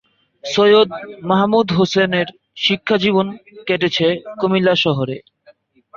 সৈয়দ মাহমুদ হোসেনের শিক্ষা জীবনের কেটেছে কুমিল্লা শহরে।